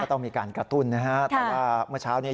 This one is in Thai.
ต้องมีการกระตุ้นนะฮะแต่ว่าเมื่อเช้านี้